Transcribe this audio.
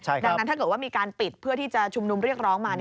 ดังนั้นถ้าเกิดว่ามีการปิดเพื่อที่จะชุมนุมเรียกร้องมา